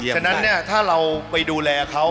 ฉะนั้นถ้าเราไปดูแลเขา